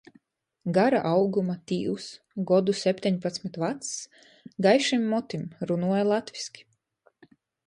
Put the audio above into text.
Gara auguma, tīvs, godu septeņpadsmit vacs, gaišim motim, runuoja latviski.